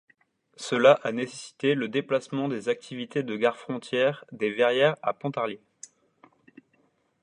Cela a nécessité le déplacement des activités de gare frontière des Verrières à Pontarlier.